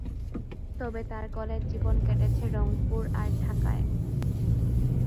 তবে তার কলেজ জীবন কেটেছে রংপুর আর ঢাকায়।